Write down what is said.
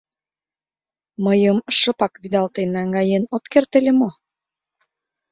Мыйым шыпак вӱдалтен наҥгаен от керт ыле мо?